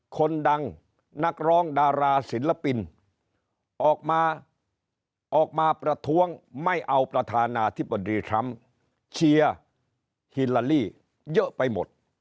คนดังนักร้องดาราศิลปินออกมาออกมาประท้วงไม่เอาประธานาธิบดีทรัมป์เชียร์ฮิลาลี่เยอะไปหมด